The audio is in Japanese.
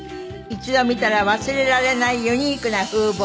一度見たら忘れられないユニークな風貌。